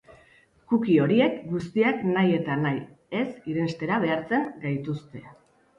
Cookie horiek guztiak nahi eta nahi ez irenstera behartzen gaituzte.